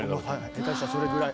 下手したらそれぐらい。